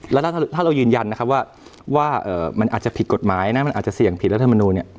และถ้าเรายืนยันว่ามันอาจจะผิดกฎหมายมันอาจจะเสี่ยงผิดรัฐมนุน